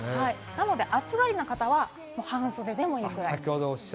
暑がりな方は半袖でもいいくらい。